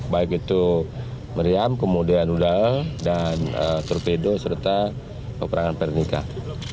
baik itu meriam kemudian uda dan torpedo serta peperangan pernikahan